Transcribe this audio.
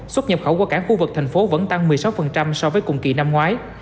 xuất nhập khẩu qua cả khu vực tp hcm vẫn tăng một mươi sáu so với cùng kỳ năm ngoái